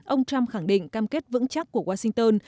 ông trump khẳng định cam kết vững chắc của washington